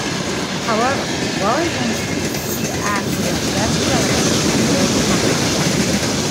However well-intentioned, the Act was at best irrelevant, at worst counter-productive.